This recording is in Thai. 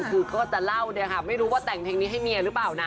คือก็จะเล่าเนี่ยค่ะไม่รู้ว่าแต่งเพลงนี้ให้เมียหรือเปล่านะ